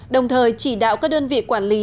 đồng thời chỉ đạo các đơn vị quản lý